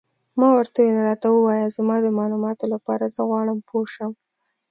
ما ورته وویل: راته ووایه، زما د معلوماتو لپاره، زه غواړم پوه شم.